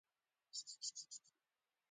ورزش د صحت ضامن دی